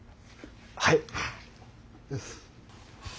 はい。